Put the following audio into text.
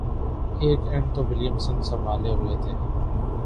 ایک اینڈ تو ولیمسن سنبھالے ہوئے تھے